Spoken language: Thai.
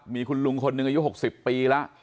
มีคุณลุงคนหนึ่งอายุ๖๐ปีแล้ว